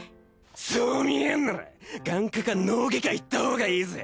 そう見えンなら眼科か脳外科行った方がいいぜ。